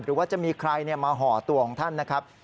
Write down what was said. หรือว่าจะมีใครมาห่อตัวของท่านนะครับ